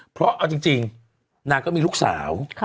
เพราะเอาจริงนางก็มีลูกสาว